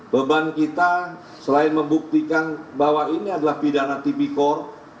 beban kita selain membuktikan bahwa ini adalah pidana tipikor